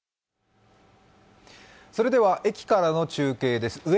それでは、駅からの中継です